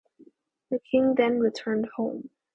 The king then returned home.